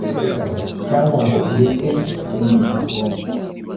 cyangwa ngo ireke kungirira ubuntu